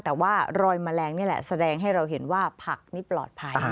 แต่ว่ารอยแมลงนี่แหละแสดงให้เราเห็นว่าผักนี่ปลอดภัย